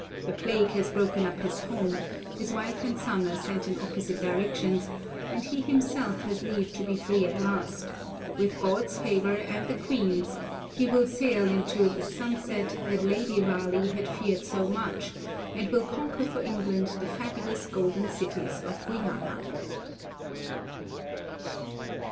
The plague has broken up his home, his wife and son are sent in opposite directions, and he himself has leave to be free at last; with God's favour and the Queen's he will sail into 'the sunset' that Lady Raleigh had feared so much, and will conquer for England the fabulous golden cities of Guiana.